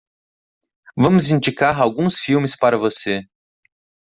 Vamos indicar alguns filmes para você.